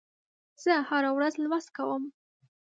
زه هره ورځ لوست کوم.